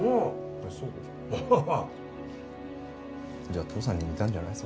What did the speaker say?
じゃあ父さんに似たんじゃない？